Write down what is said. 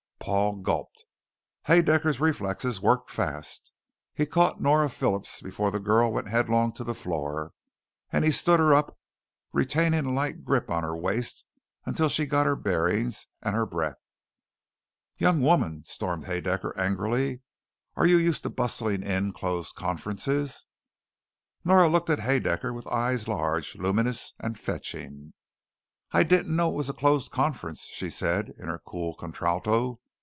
Paul gulped. Haedaecker's reflexes worked fast. He caught Nora Phillips before the girl went headlong to the floor and he stood her up, retaining a light grip on her waist until she got her bearings and her breath. "Young woman," stormed Haedaecker angrily, "Are you used to bustling into closed conferences?" Nora looked at Haedaecker with eyes large, luminous, and fetching. "I didn't know it was a closed conference," she said in her cool contralto.